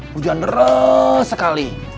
hujan deres sekali